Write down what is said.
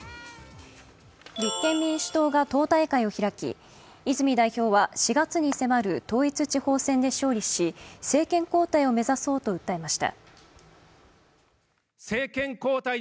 立憲民主党が党大会を開き泉代表は４月に迫る統一地方選で勝利し政権交代を目指そうと訴えました。